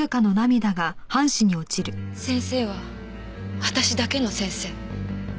先生は私だけの先生。